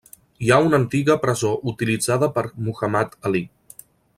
Hi ha una antiga presó utilitzada per Muhammad Ali.